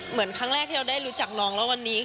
เหมือนครั้งแรกที่เราได้รู้จักน้องแล้ววันนี้